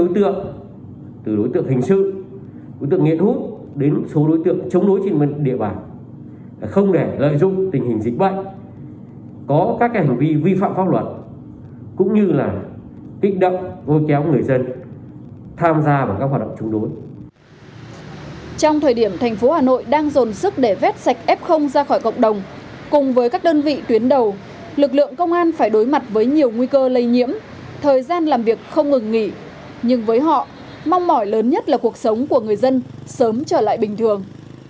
trong thời điểm thành phố hà nội đang dồn sức để vét sạch f ra khỏi cộng đồng cùng với các đơn vị tuyến đầu lực lượng công an phải đối mặt với nhiều nguy cơ lây nhiễm thời gian làm việc không ngừng nghỉ nhưng với họ mong mỏi lớn nhất là cuộc sống của người dân sớm trở lại bình thường